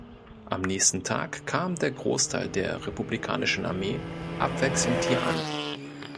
Am nächsten Tag kam der Großteil der republikanischen Armee abwechselnd hier an.